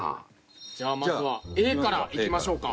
じゃあまずはＡからいきましょうか。